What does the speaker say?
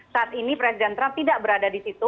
saat ini presiden trump tidak berada di situ